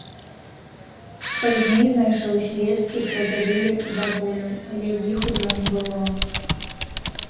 Пазней знайшоў звесткі пра дзядулю і бабулю, але іх ужо не было.